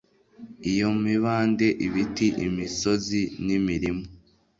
iyo mibande, ibiti, imisozi, nimirima